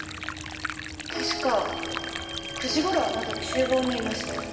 確か９時頃はまだ厨房にいました。